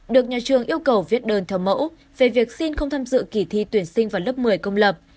được nhà trường yêu cầu viết đơn thờ mẫu về việc xin không tham dự kỳ thi tuyển sinh vào lớp một mươi công lập